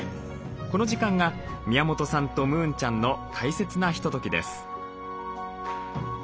この時間が宮本さんとムーンちゃんの大切なひとときです。